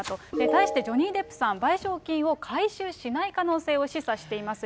対してジョニー・デップさん、賠償金を回収しない可能性を示唆しています。